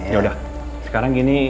yaudah sekarang gini